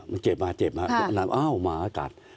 อ่ามันเจ็บมามาอากาศ